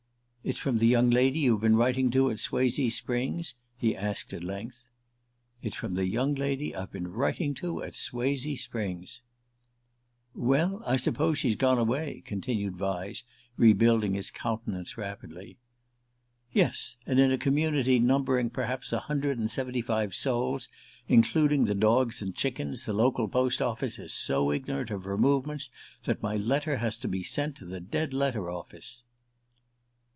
"It's from the young lady you've been writing to at Swazee Springs?" he asked at length. "It's from the young lady I've been writing to at Swazee Springs." "Well I suppose she's gone away," continued Vyse, rebuilding his countenance rapidly. "Yes; and in a community numbering perhaps a hundred and seventy five souls, including the dogs and chickens, the local post office is so ignorant of her movements that my letter has to be sent to the Dead Letter Office."